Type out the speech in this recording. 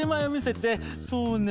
そうね